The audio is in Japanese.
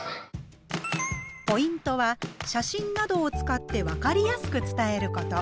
ポイントは写真などを使ってわかりやすく伝えること。